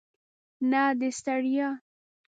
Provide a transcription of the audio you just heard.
نه د ستړیا.